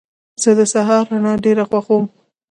زه د سهار رڼا ډېره خوښوم.